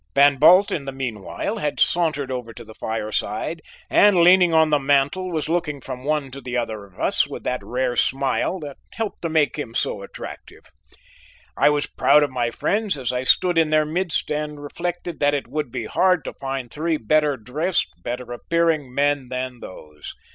Van Bult in the meanwhile had sauntered over to the fireside, and, leaning on the mantle, was looking from one to the other of us with that rare smile that helped to make him so attractive. I was proud of my friends as I stood in their midst and reflected that it would be hard to find three better dressed, better appearing men than those.